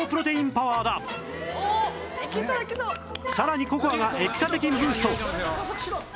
さらにココアがエピカテキンブースト